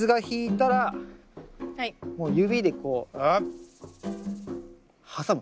もう指でこう挟む。